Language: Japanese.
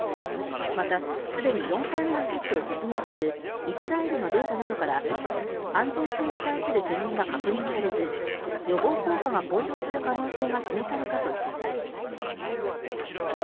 また、すでに４回目の接種を進めているイスラエルのデータなどから安全性に対する懸念が確認されず予防効果が向上する可能性が示されたとしています。